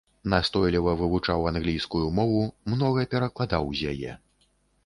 Настойліва вывучаў англійскую мову, многа перакладаў з яе.